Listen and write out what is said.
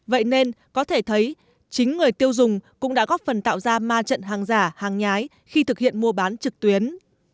vậy nên có thể thấy chính người tiêu dùng cũng đã góp phần tạo ra ma trận hàng giả hàng nhái khi thực hiện mua bán trực tuyến